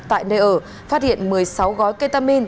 tại nơi ở phát hiện một mươi sáu gói ketamine